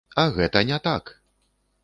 А гэта не так!